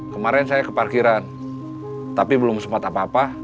kemarin saya ke parkiran tapi belum sempat apa apa